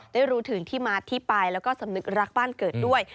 ได้รู้ถึงที่มาที่ไปแล้วก็สำนึกรักบ้านเกิดด้วย